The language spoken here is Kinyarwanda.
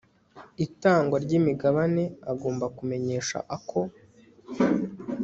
itangwa ry imigabane agomba kumenyesha ako